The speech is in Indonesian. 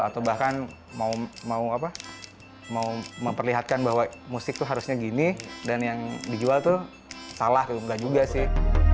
atau bahkan mau memperlihatkan bahwa musik tuh harusnya gini dan yang dijual tuh salah gitu enggak juga sih